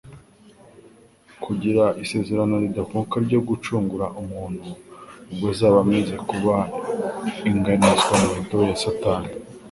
kugira isezerano ridakuka ryo gucungura umuntu ubwo azaba amaze kuba inganizwamuheto ya Satani.